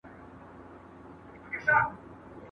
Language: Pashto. هیليزه